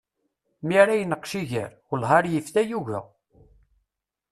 Mi ara ineqqec iger, wellah ar yif tayuga.